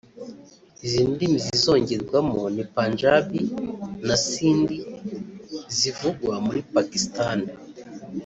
Izi ndimi zizongerwamo ni Panjābī na Sindhi zivugwa muri Pakistan